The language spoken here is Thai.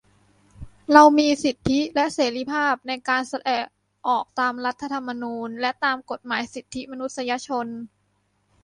เรามีสิทธิและเสรีภาพในการแสดงออกตามรัฐธรรมนูญ และตามกฎหมายสิทธิมนุษยชน